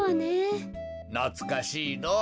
なつかしいのぉ。